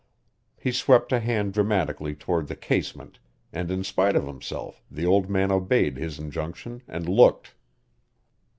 He swept a hand dramatically toward the casement and in spite of himself the old man obeyed his injunction and looked.